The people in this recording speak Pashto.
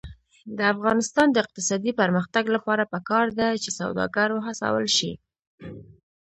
د افغانستان د اقتصادي پرمختګ لپاره پکار ده چې سوداګر وهڅول شي.